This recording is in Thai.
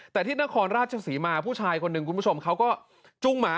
แต่ที่นครราชศรีมาผู้ชายคนหนึ่งคุณผู้ชมเขาก็จุ้งหมา